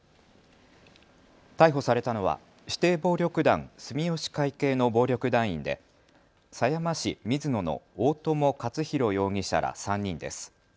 逮捕されたのは指定暴力団、住吉会系の暴力団員で狭山市水野の大友克洋容疑者ら３人です。